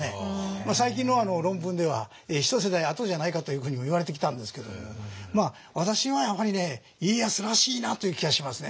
最近の論文では一世代あとじゃないかというふうにもいわれてきたんですけどもまあ私はやはり家康らしいなという気がしますね。